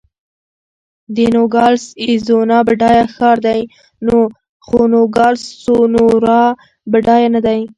د نوګالس اریزونا بډایه ښار دی، خو نوګالس سونورا بډایه نه دی.